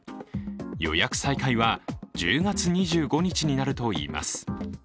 予約再開は１０月２５日になるといいます。